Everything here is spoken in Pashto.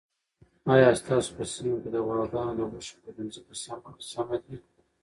آیا ستاسو په سیمه کې د غواګانو د غوښې پلورنځي په سمه دي؟